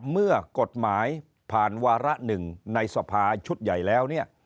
เมื่อกฎหมายผ่านวาระหนึ่งในสภาชุดใหญ่แล้วเนี่ย